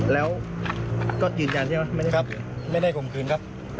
แล้วก็จืนได้ไหมไม่ได้โครงเขินครับ